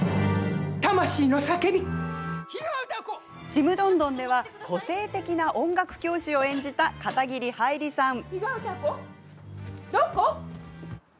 「ちむどんどん」では個性的な音楽教師を演じた片桐はいりさん。